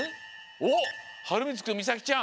おっはるみつくんみさきちゃん！